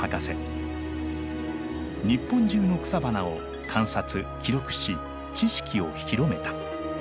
日本中の草花を観察記録し知識を広めた。